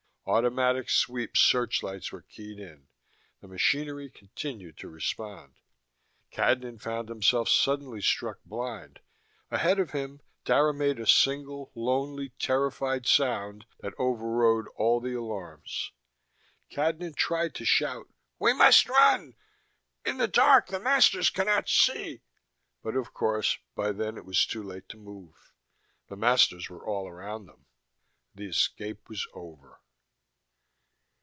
Automatic sweep searchlights were keyed in. The machinery continued to respond. Cadnan found himself suddenly struck blind: ahead of him, Dara made a single, lonely, terrified sound that overrode all the alarms. Cadnan tried to shout: "We must run! In the dark the masters cannot see " But, of course, by then it was too late to move. The masters were all around them. The escape was over.